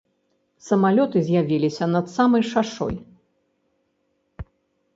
Самалёты з'явіліся над самай шашою.